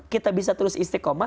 kita bisa terus istiqomah